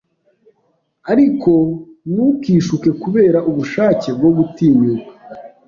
Ariko ntukishuke kubera ubushake bwo gutinyuka